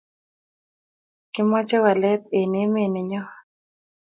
Kimache walet en emet nenyon